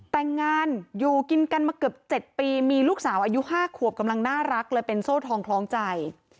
แต่งงานอยู่กินกันมาเกือบ๗ปีมีลูกสาวอายุ๕ขวบกำลังน่ารักเลยเป็นโซ่ทองคล้องใจ